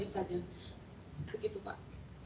yang berwajib saja begitu pak